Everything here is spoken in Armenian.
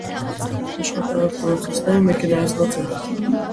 Աշխատատար պրոցեսները մեքենայացված են։